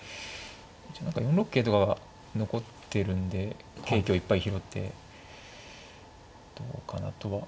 一応何か４六桂とかは残ってるんで桂香いっぱい拾ってどうかなとは。